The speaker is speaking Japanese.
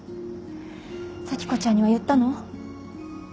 早季子ちゃんには言ったの？